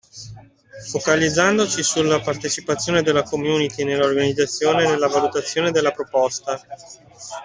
Focalizzandoci sulla partecipazione della community nella organizzazione e valutazione della proposta.